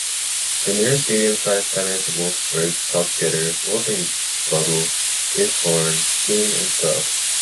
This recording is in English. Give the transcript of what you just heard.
The nearest medium-sized centers are Wolfsburg, Salzgitter, Wolfenbüttel, Gifhorn, Peine and Celle.